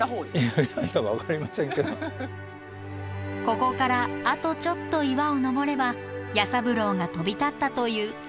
ここからあとちょっと岩を登れば弥三郎が飛び立ったという山頂です。